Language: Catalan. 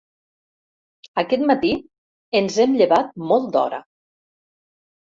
Aquest matí ens hem llevat molt d'hora.